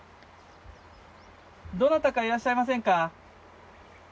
どなたかいらっしゃいませんか？